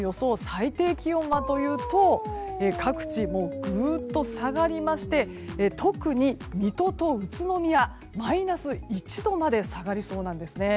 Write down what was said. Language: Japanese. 最低気温はというと各地、ぐっと下がりまして特に水戸と宇都宮はマイナス１度まで下がりそうなんです。